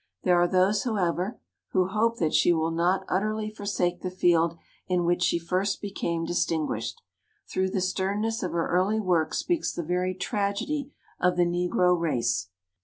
There are those, however, who hope that she will not utterly forsake the field in which she first became distinguished. Through the sternness of her early work speaks the very tragedy of the Negro race.